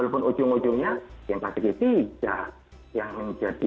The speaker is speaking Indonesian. walaupun ujung ujungnya yang pastinya tidak yang menjadi